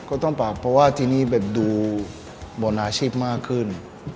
ก็ต้องปรับเพราะว่าที่นี่ดูบอลอาชีพมากขึ้น